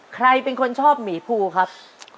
ใครเป็นคนชอบหมีภูครับ